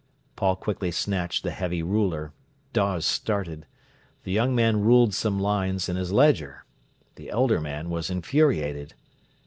Paul quickly snatched the heavy ruler. Dawes started. The young man ruled some lines in his ledger. The elder man was infuriated.